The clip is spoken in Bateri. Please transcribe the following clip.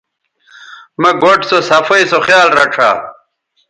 مہ گوٹھ سوصفائ سو خیال رڇھا